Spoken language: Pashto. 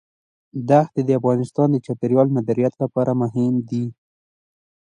دښتې د افغانستان د چاپیریال د مدیریت لپاره مهم دي.